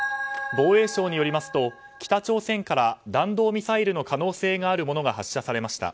防衛省によりますと北朝鮮から弾道ミサイルの可能性があるものが発射されました。